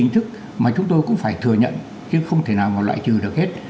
hình thức mà chúng tôi cũng phải thừa nhận chứ không thể nào mà loại trừ được hết